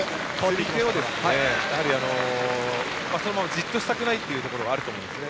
じっとしたくないというところがあると思うんですね。